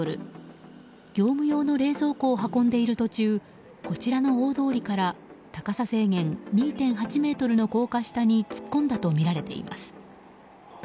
業務用の冷蔵庫を運んでいる途中こちらの大通りから高さ制限２．８ｍの高架下に突っ込んだとみられています。